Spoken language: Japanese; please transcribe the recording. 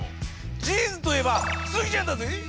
ジーンズといえばスギちゃんだぜぇ